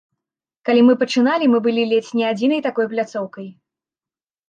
Калі мы пачыналі, мы былі ледзь не адзінай такой пляцоўкай.